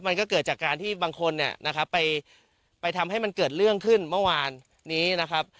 มันก็เกิดจากการที่บางคนเนี่ยนะครับไปทำให้มันเกิดเรื่องขึ้นเมื่อวานนี้นะครับ